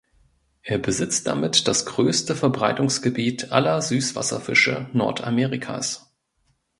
Er besitzt damit das größte Verbreitungsgebiet aller Süßwasserfische Nordamerikas.